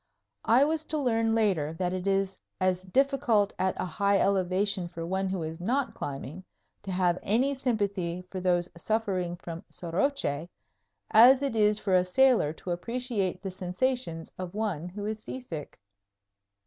I was to learn later that it is as difficult at a high elevation for one who is not climbing to have any sympathy for those suffering from soroche as it is for a sailor to appreciate the sensations of one who is seasick.